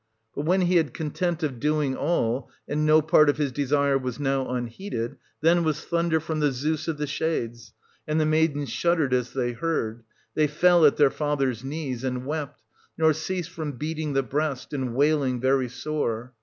But when he had content of doing all, and no part of his desire was now unheeded, then was thunder from the Zeus of the Shades: and the maidens shuddered as they heard; they fell at their fathers knees, and wept, nor ceased from beating the breast, and wailing very sore.